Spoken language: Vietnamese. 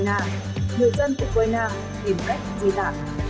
nhiều dân của ukraine tìm cách di tản